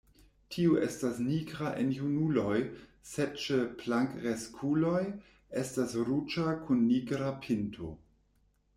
Tiu estas nigra en junuloj, sed ĉe plenkreskuloj estas ruĝa kun nigra pinto.